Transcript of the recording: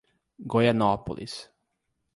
Goianápolis